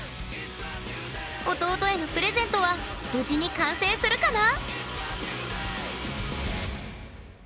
弟へのプレゼントは無事に完成するかな